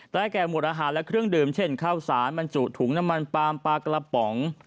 แก่หมวดอาหารและเครื่องดื่มเช่นข้าวสารบรรจุถุงน้ำมันปลามปลากระป๋อง